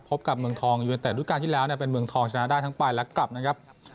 พบกับเมืองทองอยู่แรกแต่รวมทางที่แล้วเป็นเมืองทองชนะด้านทั้งไปแล้วกับ